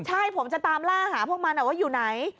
ใช่ผมจะตามล่าหาพวกมันว่าอยู่ไหน